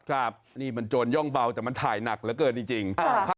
ครับนี่มันโจรย่องเบาแต่มันถ่ายหนักเหลือเกินจริง